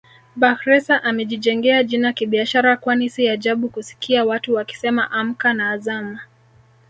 Bakhresa amejijengea jina kibiashara kwani si ajabu kusikia watu wakisema Amka na Azam